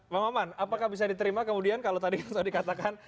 pak maman apakah bisa diterima kemudian kalau tadi sudah dikatakan